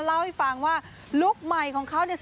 เล่าให้ฟังว่าลุคใหม่ของเขาเนี่ย